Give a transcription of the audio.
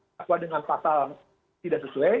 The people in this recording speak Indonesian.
dakwa dengan pasal tidak sesuai